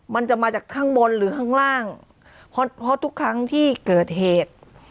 มันจะมาจากข้างบนหรือข้างล่างเพราะทุกครั้งที่เกิดเหตุ